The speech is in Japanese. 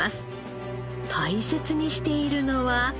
大切にしているのは？